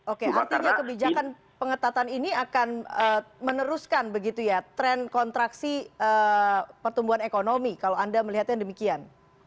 oke artinya kebijakan pengetatan ini akan meneruskan begitu ya tren kontraksi pertumbuhan ekonomi kalau anda melihatnya demikian